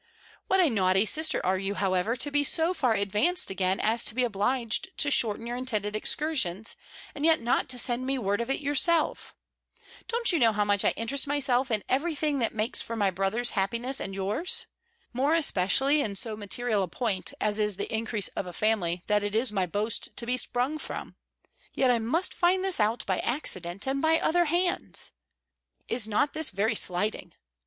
What a naughty sister are you, however, to be so far advanced again as to be obliged to shorten your intended excursions, and yet not to send me word of it yourself? Don't you know how much I interest myself in every thing that makes for my brother's happiness and your's? more especially in so material a point as is the increase of a family that it is my boast to be sprung from. Yet I must find this out by accident, and by other hands! Is not this very slighting!